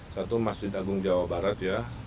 satu masjid agung jawa barat ya